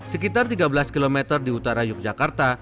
sekitar tiga belas km di utara yogyakarta